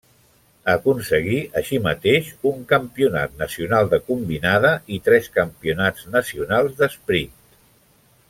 Aconseguí, així mateix, un campionat nacional de combinada i tres campionats nacionals d'esprint.